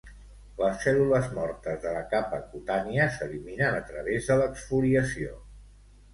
Les cèl·lules mortes de la capa cutània s'eliminen a través de l'exfoliació.